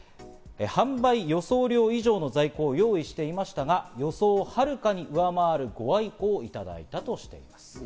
販売予想量以上の在庫を用意していましたが、予想を遥かに上回るご愛顧をいただいたとしています。